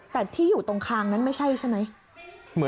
แต่ที่อยู่ตรงคางนั้นไม่ใช่ใช่ไหม